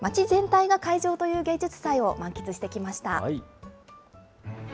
町全体が会場という芸術祭を満喫してきました。